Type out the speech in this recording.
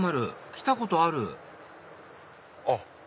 来たことあるあっ